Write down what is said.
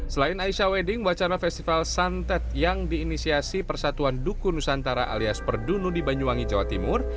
selain aisyah wedding wacana festival santet yang diinisiasi persatuan duku nusantara alias perdunu di banyuwangi jawa timur